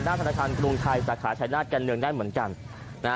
ธนาคารกรุงไทยสาขาชายนาฏแก่นเมืองได้เหมือนกันนะฮะ